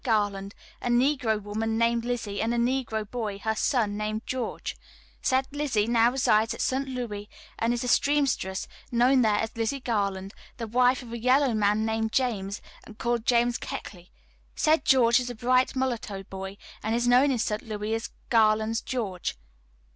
Garland, a negro woman named Lizzie, and a negro boy, her son, named George; said Lizzie now resides at St. Louis, and is a seamstress, known there as Lizzie Garland, the wife of a yellow man named James, and called James Keckley; said George is a bright mulatto boy, and is known in St. Louis as Garland's George.